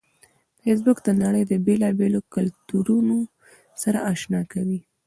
فېسبوک د نړۍ د بیلابیلو کلتورونو سره آشنا کوي